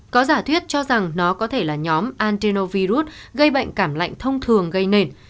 có giả thuyết cho rằng nó có thể là nhóm antinovirus gây bệnh cảm lạnh thông thường gây nền